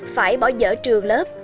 phải bỏ dở trường lớp